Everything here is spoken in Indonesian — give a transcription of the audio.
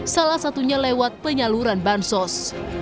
salah satunya lewat penyaluran bansos